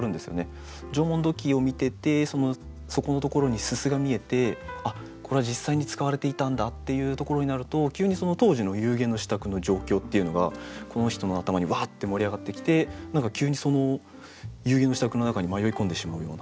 縄文土器を見ててその底のところに煤が見えてこれは実際に使われていたんだっていうところになると急にその当時の夕餉の支度の状況っていうのがこの人の頭にワッて盛り上がってきて何か急にその夕餉の支度の中に迷い込んでしまうような。